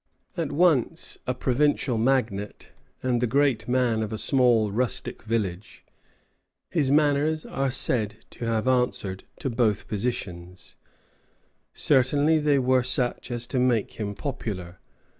At once a provincial magnate and the great man of a small rustic village, his manners are said to have answered to both positions, certainly they were such as to make him popular.